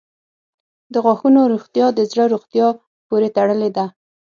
• د غاښونو روغتیا د زړه روغتیا پورې تړلې ده.